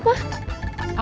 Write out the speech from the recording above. aku harus nungguin uian